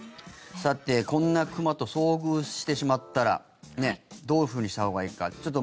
さてこんな熊と遭遇してしまったらどういうふうにしたほうがいいか。